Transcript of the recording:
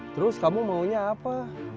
terus kamu maunya apa